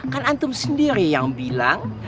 kan antum sendiri yang bilang